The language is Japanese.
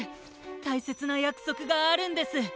たいせつなやくそくがあるんです！